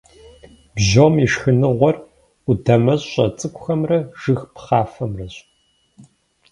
Бжьом и шхыныгъуэр къудамэщӏэ цӏыкӏухэмрэ жыг пхъафэмрэщ.